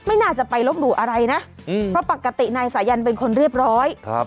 ไม่น่าจะไปลบหลู่อะไรนะอืมเพราะปกตินายสายันเป็นคนเรียบร้อยครับ